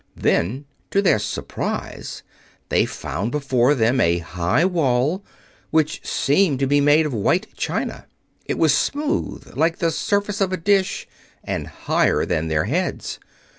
Then, to their surprise, they found before them a high wall which seemed to be made of white china. It was smooth, like the surface of a dish, and higher than their heads.